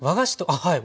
はい。